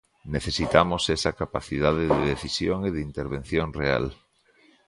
Necesitamos esa capacidade de decisión e de intervención real.